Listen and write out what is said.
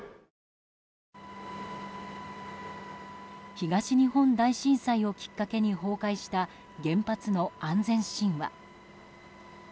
東日本大震災をきっかけに崩壊した原発の安全神話。